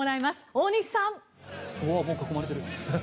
大西さん。